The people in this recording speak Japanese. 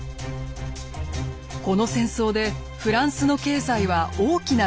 この戦争でフランスの経済は大きな打撃を受けました。